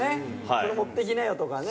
これ持っていきなよ！とかね。